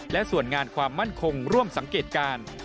และส่วนงานความมั่นคงร่วมสังเกตการ